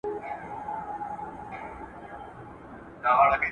حضوري ټولګي کي ګډون بې فعالیت نه پاتې کيږي.